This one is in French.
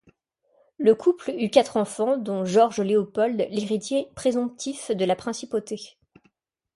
Le couple eut quatre enfants, dont Georges-Léopold, l'héritier présomptif de la Principauté.